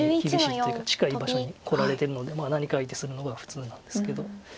近い場所にこられてるので何か相手するのが普通なんですけど。